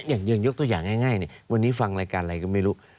อย่างยกตัวอย่างง่ายวันนี้ฟังรายการอะไรก็ไม่รู้